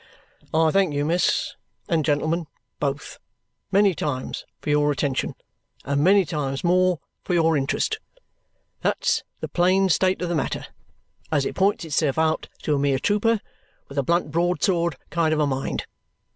"I thank you, miss and gentlemen both, many times for your attention, and many times more for your interest. That's the plain state of the matter as it points itself out to a mere trooper with a blunt broadsword kind of a mind.